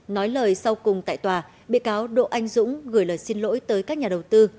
nói lời sau cùng tại tòa bị cáo độ anh dũng gửi lời xin lỗi tới các nhà đầu tư